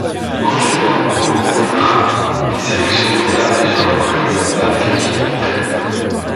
Angelo Ogbonna est sélectionné à plusieurs reprises avec l'équipe d'Italie.